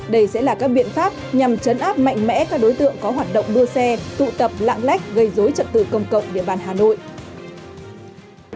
đây sẽ là các biện pháp nhằm chấn áp mạnh mẽ các đối tượng có hoạt động đua xe tụ tập lạng lách gây dối trật tự công cộng địa bàn hà nội